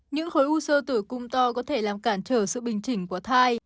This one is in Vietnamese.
những khối u sơ tử cung to có thể làm cản trở sự bình chỉnh của thai